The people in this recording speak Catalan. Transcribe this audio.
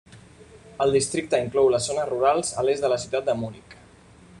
El districte inclou les zones rurals a l'est de la ciutat de Munic.